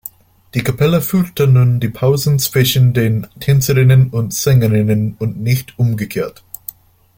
Die Kapelle füllte nun die Pausen zwischen den Tänzerinnen und Sängerinnen und nicht umgekehrt.